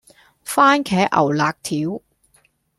蕃茄牛肋條